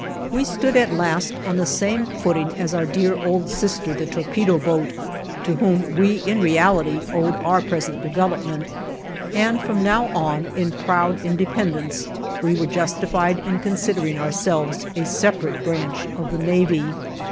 We stood at last on the same footing as our dear old sister, the torpedo boat, to whom we in reality owed our present development, and from now on, in proud independence, we were justified in considering ourselves a separate branch of the Navy.